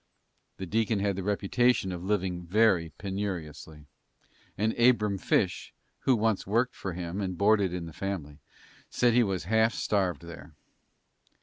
The deacon had the reputation of living very penuriously, and Abram Fish, who once worked for him and boarded in the family, said he was half starved there.